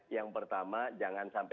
yang pertama jangan sampai